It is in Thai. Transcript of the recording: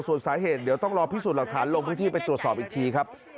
ส่วนสาเหตุจะต้องรอพิสูจน์หลักฐานลงพฤทธิไปตรวจสอบอีกครับ